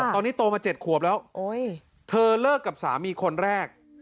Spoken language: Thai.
ตอนนี้โตมา๗ขวบแล้วเธอเลิกกับสามีคนแรก